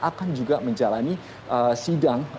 akan juga menjalani sidang